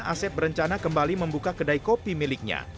asep berencana kembali membuka kedai kopi miliknya